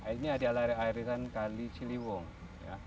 ini adalah air air kan kali ciliwung ya